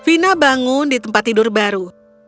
vina bangun di tempat tidur baru